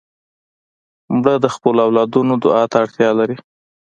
مړه د خپلو اولادونو دعا ته اړتیا لري